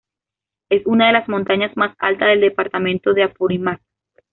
Es una de las montaña más alta del departamento de Apurímac.